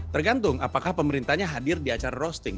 tergantung apakah pemerintahnya hadir di acara roasting